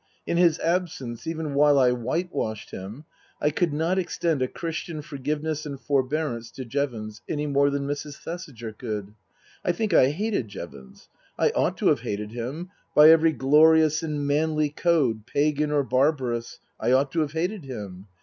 In his absence even while I whitewashed him I could not extend a Christian forgiveness and forbearance to Jevons, any more than Mrs. Thesiger could. I think I hated Jevons. I ought to have hated him by every glorious and manly code, pagan or barbarous, I ought to have hated him.